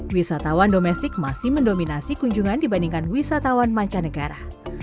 wisatawan domestik masih mendominasi kunjungan dibandingkan wisatawan mancanegara